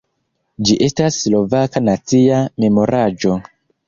Ĝi estas slovaka nacia memoraĵo.